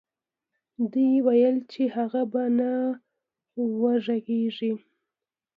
دوی ويل چې هغه به نه وغږېږي.